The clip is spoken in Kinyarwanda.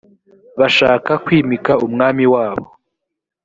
bashaka kwimika umwami wabo